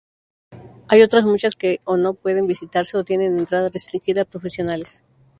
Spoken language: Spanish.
Hay otras muchas que o no pueden visitarse, o tienen entrada restringida a profesionales.